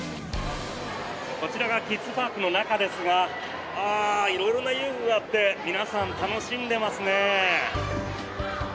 こちらがキッズパークの中ですが色々な遊具があって皆さん楽しんでますね。